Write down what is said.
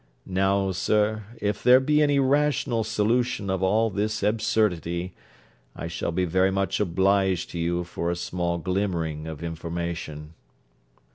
Now, sir, if there be any rational solution of all this absurdity, I shall be very much obliged to you for a small glimmering of information.'